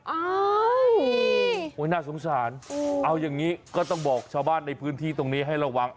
น่าสงสารเอาอย่างนี้ก็ต้องบอกชาวบ้านในพื้นที่ตรงนี้ให้ระวัง